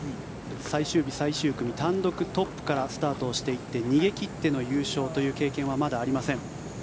最終日、最終組、単独トップからスタートをしていって逃げ切っての優勝という経験はまだありません。